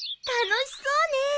楽しそうね。